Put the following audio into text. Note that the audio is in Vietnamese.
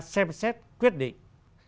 xem xét quyết định